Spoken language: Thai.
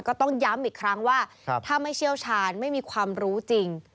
ก็ต้องย้ำอีกครั้งว่าถ้าไม่เชี่ยวชาญไม่มีความรู้จริง